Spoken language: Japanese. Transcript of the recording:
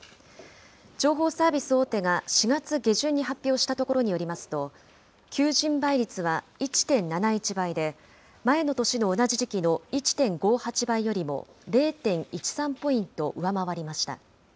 情報サービス大手が４月下旬に発表したところによりますと、求人倍率は１．７１倍で、前の年の同じ時期の１．５８倍よりも０．１３ポイント上回りました。